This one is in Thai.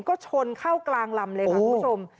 ก็ชนเข้ากลางลำเลยค่ะคุณผู้ชม